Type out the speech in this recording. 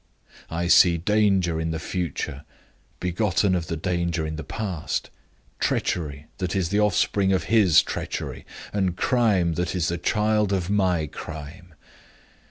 I see danger in the future, begotten of the danger in the past treachery that is the offspring of his treachery, and crime that is the child of my crime.